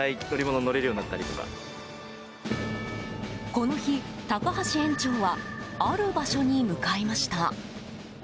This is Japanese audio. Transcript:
この日、高橋園長はある場所に向かいました。